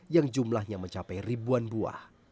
yang jumlahnya mencapai ribuan buah